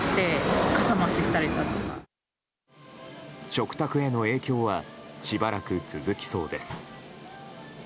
食卓への影響はしばらく続きそうです。